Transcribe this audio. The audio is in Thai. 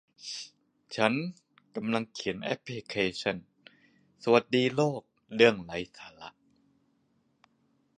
ฉันกำลังเขียนแอพพลิเคชั่น สวัสดีโลก เรื่องไร้สาระ